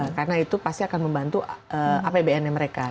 karena itu pasti akan membantu apbn mereka